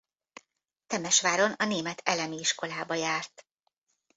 Temesváron a német elemi iskolába járt.